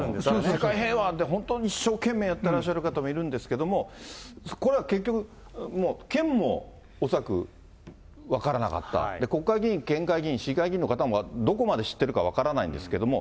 世界平和で本当に一生懸命やってらっしゃる方もいるんですけれども、これは結局、もう、県も恐らく分からなかった、国会議員、県会議員、市議会議員の方も、どこまで知ってるか分からないんですけれども、